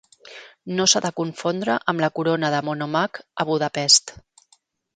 No s'ha de confondre amb la corona de Monomakh a Budapest.